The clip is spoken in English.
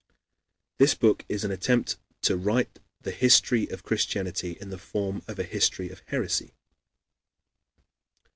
This book is an attempt to write the history of Christianity in the form of a history of heresy.